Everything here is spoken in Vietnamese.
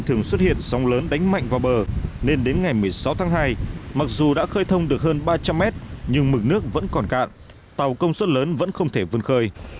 thường xuất hiện sóng lớn đánh mạnh vào bờ nên đến ngày một mươi sáu tháng hai mặc dù đã khơi thông được hơn ba trăm linh mét nhưng mực nước vẫn còn cạn tàu công suất lớn vẫn không thể vươn khơi